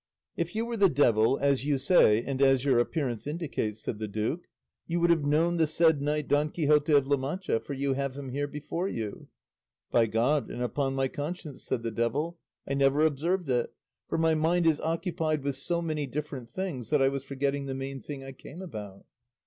"If you were the devil, as you say and as your appearance indicates," said the duke, "you would have known the said knight Don Quixote of La Mancha, for you have him here before you." "By God and upon my conscience," said the devil, "I never observed it, for my mind is occupied with so many different things that I was forgetting the main thing I came about."